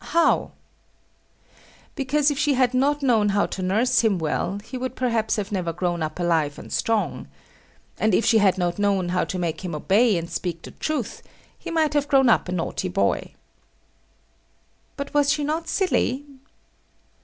How? Because if she had not known how to nurse him well, he would perhaps have never grown up alive and strong. And if she had not known how to make him obey and speak the truth, he might have grown up a naughty boy. But was she not silly?